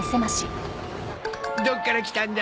どっから来たんだ？